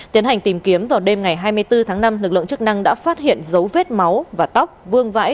tiến hành tìm kiếm vào đêm ngày hai mươi bốn tháng năm lực lượng chức năng đã phát hiện dấu vết máu và tóc vương vãi